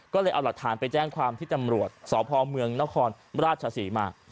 ก็เลยเอาหลักฐานไปแจ้งความที่ตำรวจสพเมืองนครราชศรีมา